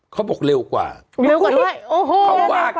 เขาบอกเราย์กว่า